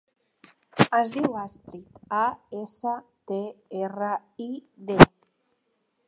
Es diu Astrid: a, essa, te, erra, i, de.